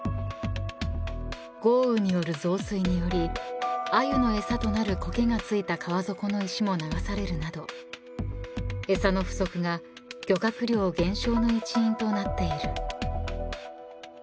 ［豪雨による増水によりアユの餌となるコケが付いた川底の石も流されるなど餌の不足が漁獲量減少の一因となっている］